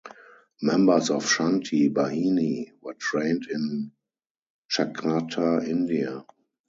Members of Shanti Bahini were trained in Chakrata, India.